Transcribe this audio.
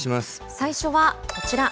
最初はこちら。